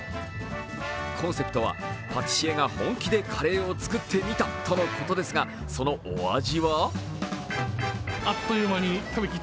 コンセプトは、「パティシエが本気でカレーを作ってみた」とのことですが、そのお味は？